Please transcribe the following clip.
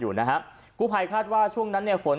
กูภัยคาดว่าช่วงนั้นฝนตกครับในสันก็ไปโดนประตูสังกษีนี่แหละครับ